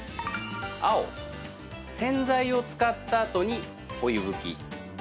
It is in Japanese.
青・洗剤を使ったあとにお湯拭き。